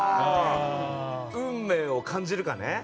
運命を感じるかですね。